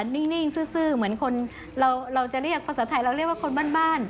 นิ่งซื้อเหมือนคนเราจะเรียกภาษาไทยเราเรียกว่าคนบ้าน